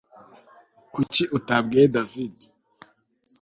Kuki utabwiye David